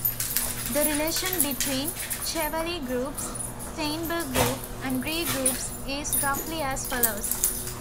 The relation between Chevalley groups, Steinberg group, and Ree groups is roughly as follows.